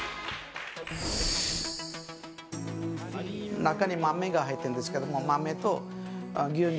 中に豆が入ってるんですけども豆と牛肉。